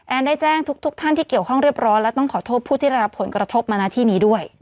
ได้แจ้งทุกท่านที่เกี่ยวข้องเรียบร้อยและต้องขอโทษผู้ที่ได้รับผลกระทบมาณที่นี้ด้วย